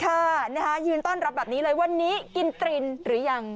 ค่ะนะฮะยืนต้อนรับแบบนี้เลยวันนี้กินตรินหรือยัง